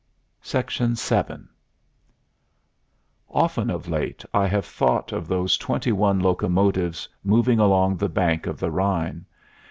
VII Often of late I have thought of those twenty one locomotives moving along the bank of the Rhine.